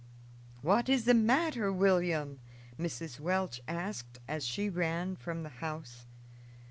"What is the matter, William?" Mrs. Welch asked as she ran from the house.